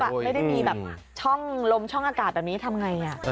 ไม่ได้มีแบบช่องลมช่องอากาศแบบนี้ทำไง